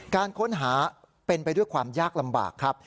การค้นหาเป็นไปด้วยความยากลำบากครับ